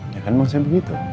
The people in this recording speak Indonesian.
ya kan maksudnya begitu